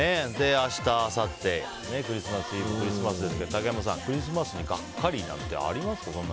明日、あさってでクリスマスイブクリスマスですけど竹山さん、クリスマスにガッカリなんてありますか？